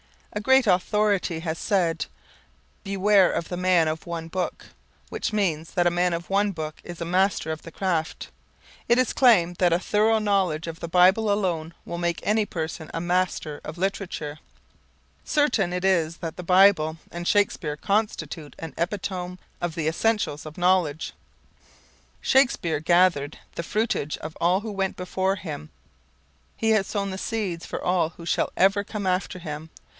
A great authority has said: "Beware of the man of one book," which means that a man of one book is a master of the craft. It is claimed that a thorough knowledge of the Bible alone will make any person a master of literature. Certain it is that the Bible and Shakespeare constitute an epitome of the essentials of knowledge. Shakespeare gathered the fruitage of all who went before him, he has sown the seeds for all who shall ever come after him.